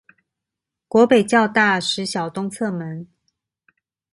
國北教大實小東側門